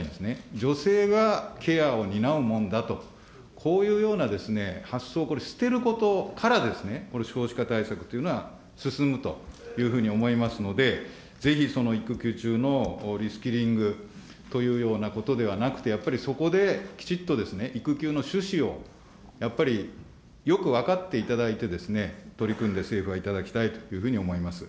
女性がケアを担うもんだと、こういうような発想、これ捨てることから、これ、少子化対策というのは進むというふうに思いますので、ぜひその育休中のリスキリングというようなことではなくて、やっぱりそこできちっと育休の趣旨をやっぱりよく分かっていただいて、取り組んで政府はいただきたいというふうに思います。